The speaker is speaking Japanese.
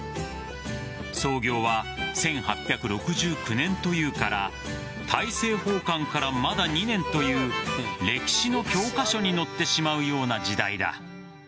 創業は１８６９年というから大政奉還からまだ２年という歴史の教科書に載ってしまうような時代だ。